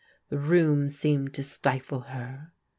The room seemed to stifle her.